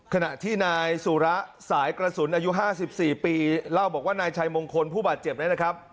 ขณะที่นายสุระสายกระสุนอายุ๕๔ปีเล่าบอกว่านายชัยมงคลผู้บาดเจ็บนั้นนะครับ